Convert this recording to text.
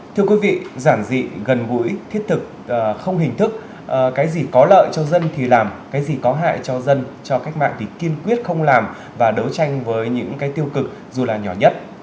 thưa quý vị giản dị gần gũi thiết thực không hình thức cái gì có lợi cho dân thì làm cái gì có hại cho dân cho cách mạng thì kiên quyết không làm và đấu tranh với những cái tiêu cực dù là nhỏ nhất